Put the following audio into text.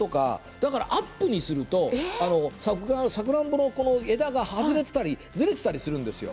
だからアップにするとさくらんぼの枝がずれていたりするんです。